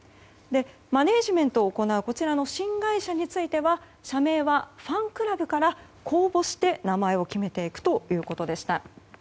マネジメントを行う新会社については社名はファンクラブから公募して名前を決めていくということでした。